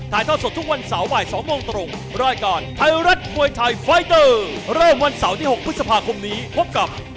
แล้วไปก่อนนะครับสวัสดีครับ